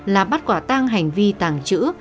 là bắt quả tang hành vi tàng trữ